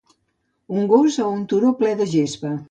Un gos a un turó ple de gespa.